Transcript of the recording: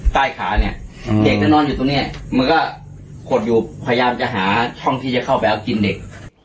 ใต้ขาเนี่ยเด็กจะนอนอยู่ตรงนี้มันก็ขดอยู่พยายามจะหาช่องที่จะเข้าไปเอากินเด็ก